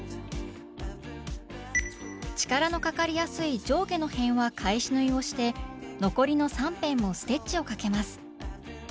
力のかかりやすい上下の辺は返し縫いをして残りの３辺もステッチをかけます